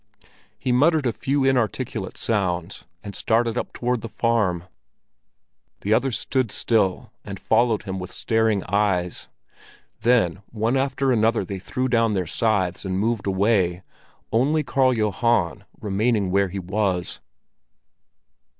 He muttered a few inarticulate sounds, and started up toward the farm. The others stood still and followed him with staring eyes; then one after another they threw down their scythes and moved away, only Karl Johan remaining where he was.